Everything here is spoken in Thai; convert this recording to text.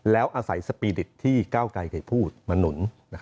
แล้วอาศัยสปีดิตที่ก้าวไกรเคยพูดมาหนุน